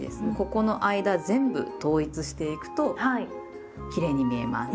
ここの間全部統一していくときれいに見えます。